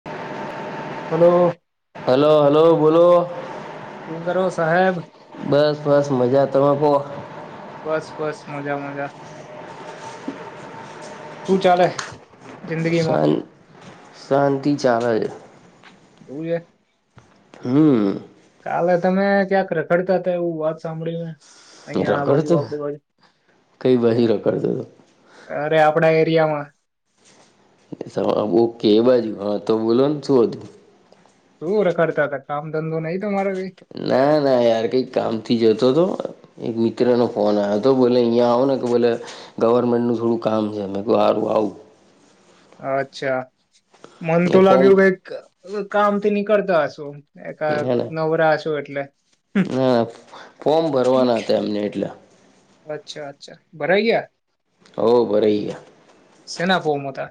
[inaudible] Hello hello hello બોલો ચુંકરો સાહેબ બસ બસ મજા તમે પો બસ બસ મજા મજા શું ચાલે જિંદગીમાં શાન શાંતિ ચાલે છે એવું છે હમ કાલે તમે ક્યાંક રખડતા હતા એવું વાત સાંભળી મે. અહિયાં આ રખડતો બાજુ આપડી બાજું કઈ બાજુ રખડતો [inaudible] અરે આપડા રિયામાં. ઓકે એ બાજુ હાતો બોલોને શું હતું? શું રખડતા હતા કામ ધંધો નય. ના ના યાર કંઈક કામથી જતો હતો એક મિ ત્રનો ફોન આવ્યો હતો બોલે અહીંયા આવોને કે બોલે ગવર્મેન્ટનું થોડું કામ છે મે કે સારું આવું. અચ્છા, મન તો એ ફોર્મ લાગ્યું કઈક કામ થી નીકળતા હશો. એકા ના ના નવરા હશું એટલે. ના ફોર્મ ભરવાના હતા એમને એટલે. અચ્છા, અચ્છા ભરાઈ ગયા. હો ભરાય ગ્યા સેના ફોર્મ હતા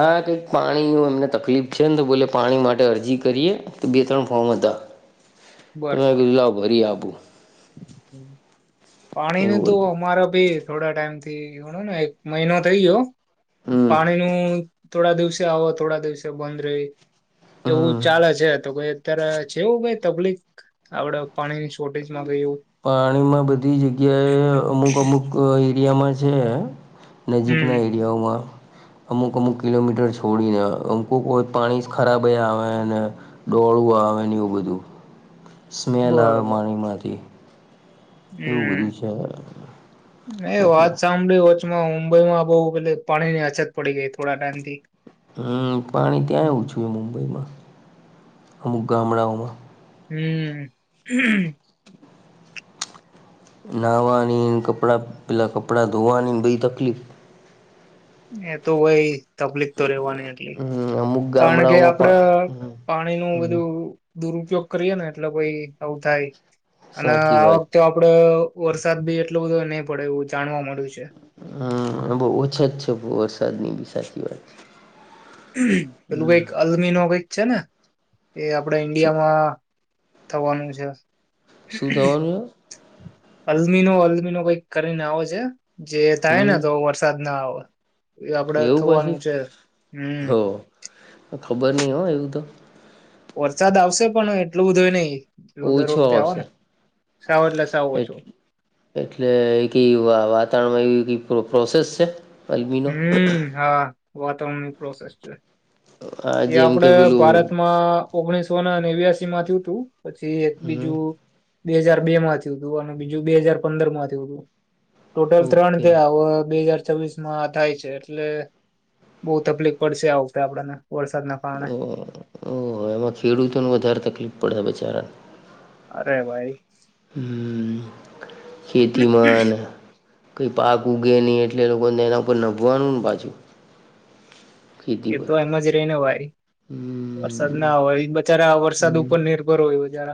આ કંઈક પાણી એમને તકલીફ છે ને તો બોલે પાણી માટે અરજી કરીએ તો બે ત્રણ ફોર્મ ત મે કીધુ લાવ ભરી આપુ પાણીને એવું તો હતું અમારા ભી થોડા ટાઈમ થી ગણો ને એક મહિનો થઈ ગયો હો હમ પાણી નુ થોડા દિવસે આવો થોડા દિવસે બંધ રહી એવું હમ ચાલે છે તો કઈ અત્યારે છેવું કઈ તકલીફ આપડે પાણીની શોર્ટેજમાં કઈ એવું પાણીમાં બધી જગ્યાએ અમુક અમુક એરિયામાં છે હમ નજીકના એરિયાઓમાં અમુક અમુક કિલોમીટર છોડીને અમુકોક વાર પાણી જ ખરાબ આવેને ડો પડવા આવેને એવું બધું. સ્મેલ આવે બરોબર માણીમાંથી. એવું હમ બધું છે. એ એટલે વાત સાંભળી હોચમાં મુંબઈમાં બહુ પે પાણીની અછત પડી ગઈ થોડા ટાઈમથી. હમ, પાણી ત્યાંય હમ ઓછું હે મુંબઈમાં અમુક ગામડાઓમાં. હમ [unintelligible] નાહવાની, કપડાં પેલાં કપડાં ધોવાની બેય તકલીફ. એતો ભઈ તકલીફ તો રેવાની એટલી. હમ અમુક કારણ કે, ગામડાઓમાં આપડે પણ પાણીનું હમ બધું. દુરપયોગ કરીએને એટલે પઈ આવું થાય અને સાચી આ વાત છે. વખતે આપડે વરસાદ બી એટલો બધો નય પડે એવુ જાણવા મળે. હા, બો ઓછા જ છે વરસાદ ની બી સાચી વાત છે. પેલું હમ કઈક અલમીનો કઈક છેને એ આપડા શું ઈન્ડિયામાં થવાનું છે. શું થવાનું? અલ્મીનો અલ્મીનો કઈક કરીને આવો છે જે છે થાયને હમ તો વરસાદના આવે. એ આપડે એવું થવાનું પાછું છે હમ. હો ખબર નહી હો એવું તો વરસાદ આવશે પણ એટલું બધુંય નય. ઓછો આવશે. સાવ એટલે સાવ એ ઓછો એટલે વાતાવરણમાં એ પ્રોસેસ છે. અલમીનો હમ. હા, વાતાવરણની પ્રોસેસ છે. આ એ જેમ કે આપડે પેલું ભારતમાં ઓગણીસોને નેવ્યાસીમાં થયું હતું પછી એક હમ બીજું. બે હાજાર બે માં થીયુતું અને બીજું બે હાજાર પંદરમાં થીયુતુ. ટોટલ ત્રણ ઓકે થયા બે હાજાર છવીસ. થાય છે. એટલે બહુ તકલીફ પડશે આ વખતે આપડને. ઓ ઓહ એમાં ખેડૂતોને વધારે તકલીફ પડે બીચારાને. અરે ભાઈ હમ ખેતીમાન કઈ પાક ઉગે નહી એટલે લોકોને એના ઉપર નભવાનું ને પાછું ખેતી એ પર તો એમ જ રહીને ભાઈ વરસાદ હમ ના હોય બચારા વરસાદ હમ ઉપર નિર્ભર હોય બાર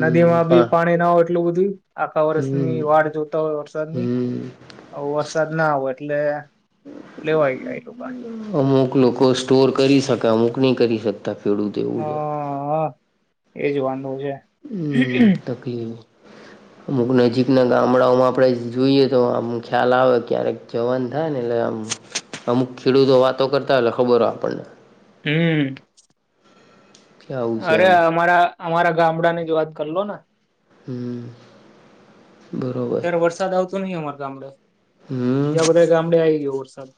નદી માં પા બી પાણી ના હોય એટલું બધું આખા હમ વર્ષની વાળ જોતા હોય વરસાદની હમ હ વરસાદ ના આવે એટલે લેવાય ગાય એલું કાન ક લોકો સ્ટોર કરી શકામૂક ન કરી શકતા ખેડૂત એવું છે હા એજ વાન હ તકલીફ અમુક નજીકના ગામડાઓમાં આપડે જોઈએ તો આમ ખ્યાલ આવે ક્યારેક જવન થાય ને એટલે અમુક ખેડૂતો વાતો કરતા હો ખબર હો આપણને. હમ. કે આવું છે અરે એમ અમારા અમારા ગામડાની જ વાત કરલોને. હમ. બરોબર અત્યારે વરસાદ આવતો નય અમાર ગામડે હમ બીજા બધા ગામડે આવી ગયો વરસાદ.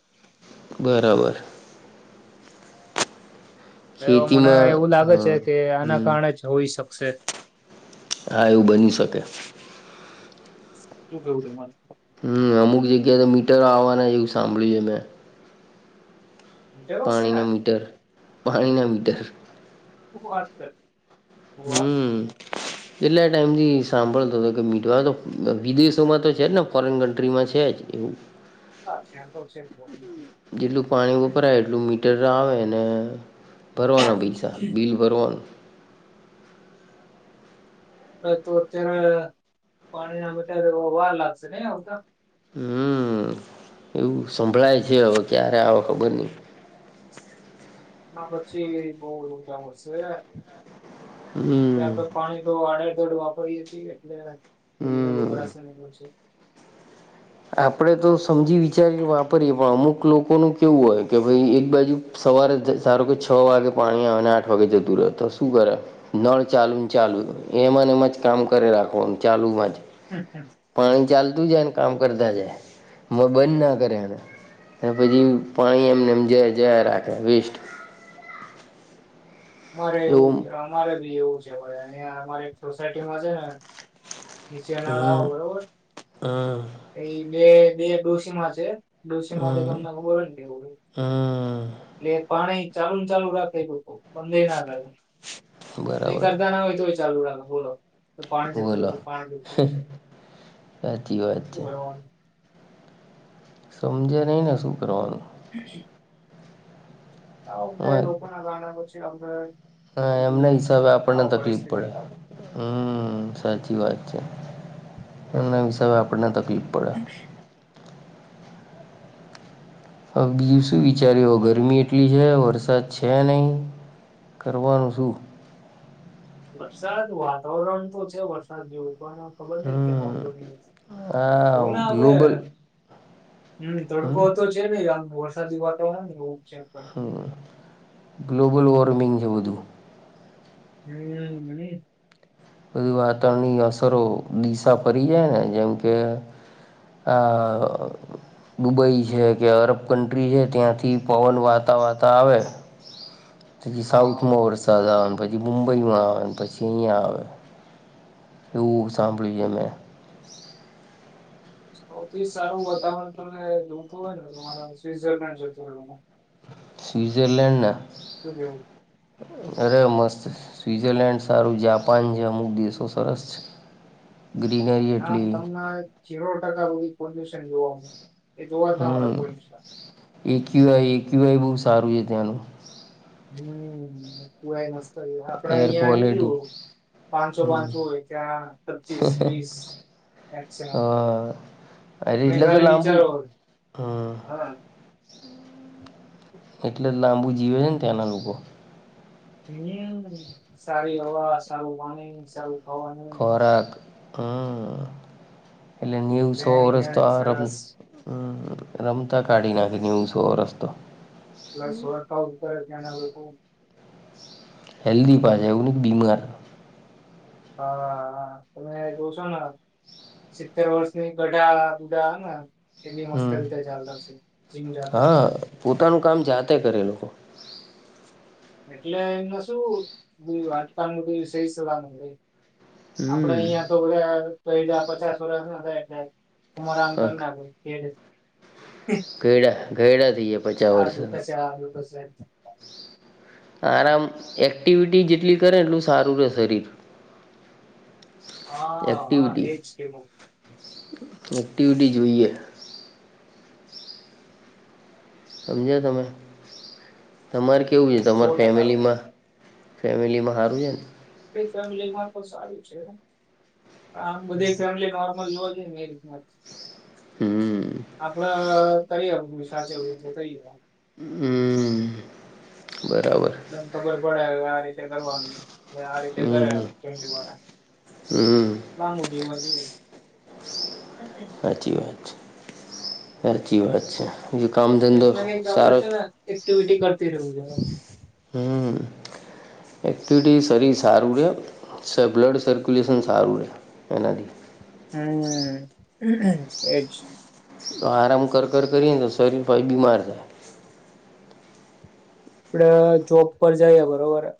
બરાબર. એ મને ખેતીમાં એવું હ લાગે છેકે આના હમ કારણે જ હોઈ શકશે. હા, એવું બની શકે. શું કેવું તમારે. હમ, અમુક જગ્યાએ તો મીટરો આવવાના એવું સાંભળ્યું છે મેં. પાણીના મીટર પાણીના મીટર. હ વાત સર હમ એટલા ટાઈમથી સાંભળતો હતો કે મીઠવા તો વિદેશોમાં તો છે જ ને ફોરેન કન્ટ્રીમાં છે જ એવું હા જેટલું પાણી વપરાય એટલું મીટર આવે ને ભરવાના પૈસા બિલ ભરવાનું તો અત્યારે પાણીના માટે વાર લાગશે નેધ હમ એવું સંભળાય છે હવે ક્યારે આવે ખબર નહ ના પછી બવું દરતા મશે કે હમ આપણે પાણી તો આડે દડ વાપરીએે છીએ એટલે એ હમ ગોભળ છે એ છે આપડે તો સમજી વિચારી વાપરીએે પણ અમુક લોકોનું કેવું હોય કે ભાઈ એક બાજુ સવારે ધારું કે છ વાગે પાણી આવે અને આઠ વાગે જતું રહે તો શું કરે નળ ચાલુ ને ચાલુ એમને એમાં જ કામ કરે રાખવાનું ચાલુ માં જ પાણી ચાલતું જાયને કામ કરતા જાય બંધ ના કરે પછી પાણી એમને એમ જ જયા રાખે વેસ્ટ અમારે એવું અમારે બી એવું છે અ અમારે સોસાયટીમાં છે ને નીચે અનાળ હમ આવો બરોબર હમ એ બે બે ડોસીીમા છે ડોસીમાં તો હમ તમને ખબર દેવડ હમ એટલે પાણી ચાલુ ને ચાલુ રાખે મંદે ના કરે ક બરાબર કરતા ના હોય તો ચાલુ રા બોલો તો પાણી જતું બોલો રહેશે સાચી વાત છે પાણી સમજે નહી ને શું કરવાનું [unintelligible] [unintelligible] હા બધી એમના હિસાબે આપણને આવો તકલીફ પરિસ્થિતિ પડે હમ્મ સાચી વાત છે એના હીસાબ આપને પીપર હવે બીજું શું વિચારયુ ગરમી એટલી છે વરસાદ છે નહી કરવાનું શું વરસાદ વાતાવરણ તો છે વરસાદ જેવુ પણ ખબર નહ ક ન હમ આ જો ને ગ્લોબલ આપડે હમ્મ હમ તડકો તો છે ને આમ વરસાદી વાતાવરણ ને એવું છે પણ હમ્મ ગ્લોબલ વોર્મિંગ છે બધું હ મની બધી વાતાવરણની અસરો દિશા પરી જાય ને જેમ કે આઅ દુબઈ છે કે અરબ કન્ટ્રી છે ત્યાંથી પવન વાતાં વાતા આવે પછી હા સાઉથમાં વરસાદ આવે પછી મુંબઈમાં આવે પછી અહીિયાં આવે એ હૂબ સાંભળી એ મેં સૌથી સારું વાતાવરણ તમે જોતું હોય ને તમારે સવિસલૃલેન્ડ જતો હોય સ્વિઝરલેન્ડ ના સુ કેહવું અરે મસ્ત સ્વિઝરલેન્ડ સારું જાપાન જે અમુક દેશો સરસ છે [inaudible] ખાસ એટલી તમને ઝીરો ટકા બધૂ પોલ્યૂશન જોવા મળે એ જોવા જ ના મળે હમ કોઈ એક્યુઆઈ એક્યુઆઈ બહુ સારું છે ત્યાંનું હમ્મ મસ્ત આપડે એર અહિગુંયુ ક્વોલિટી પાંચસો હમ પાંચ હોય ત્યાં પચીસ વીસ મેક્સિમમ અઝીઝ મેં ને તો ખાલી લાબુંજ વિચારો હોય. હમ્મ હા એટલે લાંબુ જીવે છે ને ત્યાંના લોકો હમ્મ સારી હવા સારું વાણી સારું ખાવાનું ખોરાક હ એટલે નેવું રહેણી સોવરષ તો કહેણી આરામ સરસ રમતા કાઢી નાખે નેવ સોવરસ તો પલ સોળખાવતર ત્યાંને હેલ્ધી પાસેા એવું ન બીમાર હાા તમે જોઉ છો ને સિત્તેર વર્ષની ગડા બુડા એબી મસ્ત હમ રીતે ચાલતા હશે જીમ જાતા હશે હા પોતાનું કામ જાતે કરે લોકો એટલે એમને શું હાટકા નું સહી સલામત હોય આપડે હમ અહિયાં તો પચાસ વર્ષ ન થાય એટલે હું આરામ કરનાખું કે ઘેડા ઘેડા થઈ જયા પચાસ આ દુખે વર્ષના છે આ દુખે છે આરામ એક્ટિવિટી જેટલી કરે એટલું સારું રે શરીર હા હા એક્ટિવિટી એજ છે બવ એક્ટિવિટી જોઈએ સમજ્યા તમે? તમારે કેવું છે સો તમાર ટકા હોય ફેમિલીમાં? ફેમિલીમાં હારું હે ન? એ ફેમિલીમાં તો સારું છે. આમ બધી ફેમિલી નોર્મલ જોવા જઈએ ને એવી. યાદ છ હમ આપડ કરિયર [inaudible] સાચે ઊભું થઈએ. હમ બરાબર એમ ખબર પડે હવે આ રીતે કરવાનું. આ રીતે કરે હમ હવે હમ [inaudible] લાંબુ જીવન જીવે. સાચી વાત છે, સાચી વાત છે. બીજું કામ કંઈક ધંધો ના કઈક તો આપડે સારો છે ને, એક્ટિવિટી કરતી રહ્યું છે. હમ એક્ચ્યુલી શરીર સારું રે. સ બ્લડ સર્ક્યુલેશન સારું રે એનાથી. હમ એજ. તો આરામ કર કર કરીએ ને તો શરીર પાછું બીમાર થાય. આપડે જોબ પર જાઇએ બરોબર હે.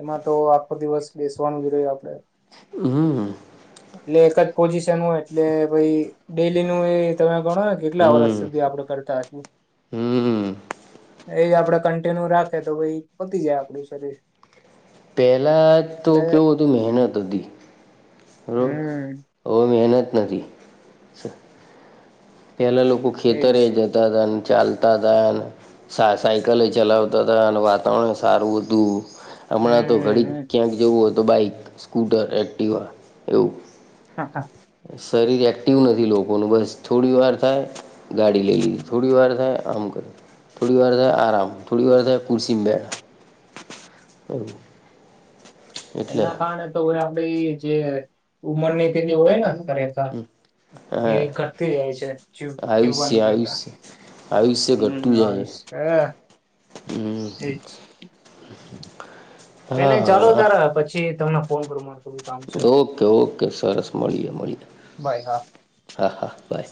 એમાં તો આખો દિવસ બેસવાનું જ રે આપણે. હમ એટલે એક જ પોઝિશન હોય એટલે ભાઈ ડેલીનું એ તમે ઘણાય કેટલા વર્ષ હમ સુધી આપડે કરતા હશું. હમ એ આપડે કન્ટિન્યુ રાખે તો ભાઈ પતી જાય આપડું શરીર. પહેલા તો એટલે કેવું હતું મહેનત હતી. બરાબર હમ હવે મહેનત નથી. સ પેલાં લોકો એજ ખેતરે જતા તાન. ચાલતા તાને, સા સાયકલે ચલાવતા તાને, વાતાવરણે સારું હતું. હમણાં તો ઘડીક હમ ક્યાંક જવું હોય તો બાઈક, સ્કૂટર, એક્ટિવા એવું. હા હા શરીર એક્ટિવ નથી લોકોનું બસ. થોડી વાર થાય ગાડી લઈ લીએ. થોડી વાર થાય આમ કરી. થોડી વાર થાય આરામ, થોડી વાર થાય ખુરશીમાં બેઠા. એટલે એના કારણે તો આપડી જે ઉમરની તેની હોય ન [inaudible] એ હા ઘટતી જાય છે, જીવ આયુષ્ય જીવવાની રેખા. આયુષ્ય આયુષ્ય હમ, ઘટતું જાય છે હશે એ જ. હમ કાઈ હા નહીં ચાલો હા તાર પછી તમને ફોન કરું માર ઓકે ઓકે સરસ મળીએ મળીએ. બાય હા હા હા બાય.